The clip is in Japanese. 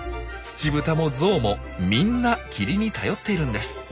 ツチブタもゾウもみんな霧に頼っているんです。